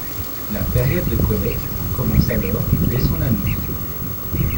La période de collecte commence alors dés son annonce.